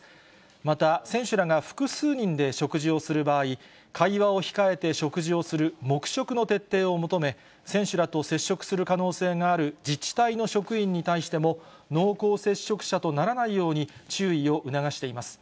また、選手らが複数人で食事をする場合、会話を控えて食事をする黙食の徹底を求め、選手らと接触する可能性がある自治体の職員に対しても、濃厚接触者とならないように注意を促しています。